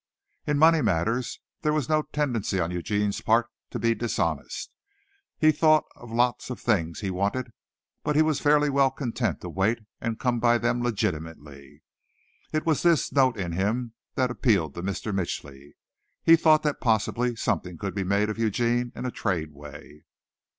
In money matters there was no tendency on Eugene's part to be dishonest. He thought of lots of things he wanted, but he was fairly well content to wait and come by them legitimately. It was this note in him that appealed to Mitchly. He thought that possibly something could be made of Eugene in a trade way.